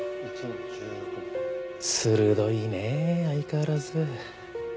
鋭いねえ相変わらず。